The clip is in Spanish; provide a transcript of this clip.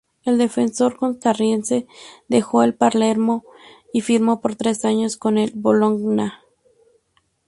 El defensor costarricense dejó el Palermo y firmó por tres años con el Bologna.